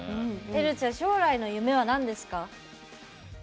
えるちゃん、将来の夢はなんですか？